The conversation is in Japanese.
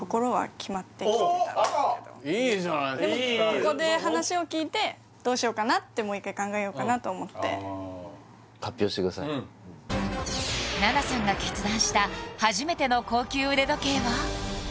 ここで話を聞いてどうしようかなってもう一回考えようかなと思って菜那さんが決断した初めての高級腕時計は？